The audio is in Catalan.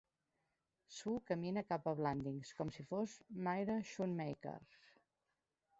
Sue camina cap a Blandings, com si fos Myra Schoonmaker.